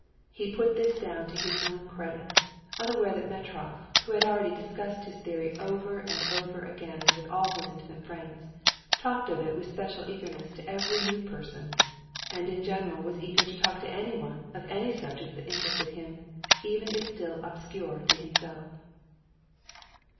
He put this down to his own credit, unaware that Metrov, who had already discussed his theory over and over again with all his intimate friends, talked of it with special eagerness to every new person, and in general was eager to talk to anyone of any subject that interested him, even if still obscure to himself.